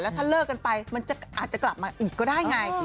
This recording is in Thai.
ถ้าเลิกกันไปมันอาจจะกลับมาอีกก็ได้ไง